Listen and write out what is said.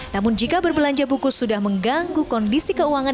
namun jika berbelanja buku sudah mengganggu kondisi keuangan